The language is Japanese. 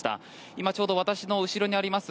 今、ちょうど私の後ろにあります